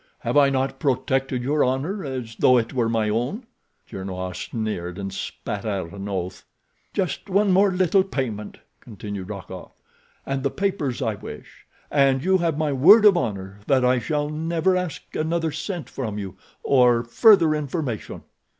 Have I not protected your honor as though it were my own?" Gernois sneered, and spat out an oath. "Just one more little payment," continued Rokoff, "and the papers I wish, and you have my word of honor that I shall never ask another cent from you, or further information."